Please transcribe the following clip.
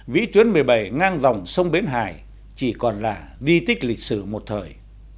vĩ tuyến một mươi bảy ngang dòng sông bến hải chỉ còn là di tích lịch sử một thời